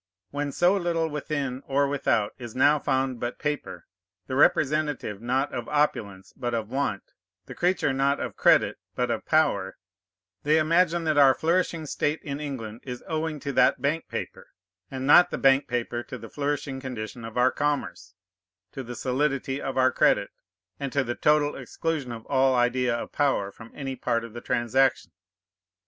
When so little within or without is now found but paper, the representative not of opulence, but of want, the creature not of credit, but of power, they imagine that our flourishing state in England is owing to that bank paper, and not the bank paper to the flourishing condition of our commerce, to the solidity of our credit, and to the total exclusion of all idea of power from any part of the transaction.